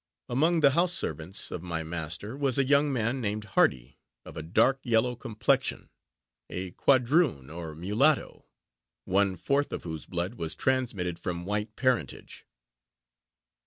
Amongst the house servants of my master, was a young man, named Hardy, of a dark yellow complexion a quadroon, or mulatto one fourth of whose blood was transmitted from white parentage.